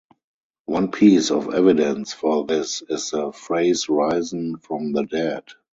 One piece of evidence for this is the phrase risen from the dead.